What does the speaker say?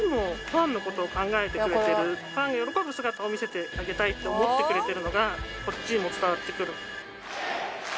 ファンが喜ぶ姿を見せてあげたいって思ってくれてるのがこっちにも伝わってくる。